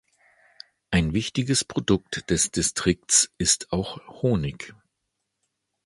Ein wichtiges Produkt des Distrikts ist auch Honig.